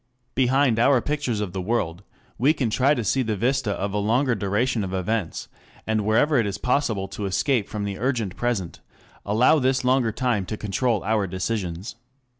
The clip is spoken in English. Behind our pictures of the world, we can try to see the vista of a longer duration of events, and wherever it is possible to escape from the urgent present, allow this longer time to control our decisions.